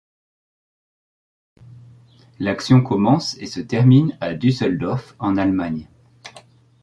L'action commence et se termine à Düsseldorf en Allemagne.